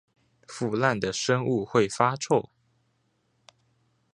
腐爛的生物會發臭